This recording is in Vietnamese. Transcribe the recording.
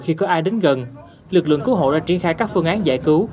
khi có ai đến gần lực lượng cứu hộ đã triển khai các phương án giải cứu